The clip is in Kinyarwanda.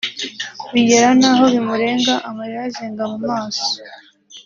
bigera n’aho bimurenga amarira azenga mu maso